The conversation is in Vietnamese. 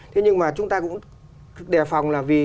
thế nhưng mà chúng ta cũng đề phòng là vì